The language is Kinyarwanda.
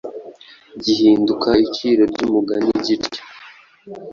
gihinduka iciro ry’umugani gityo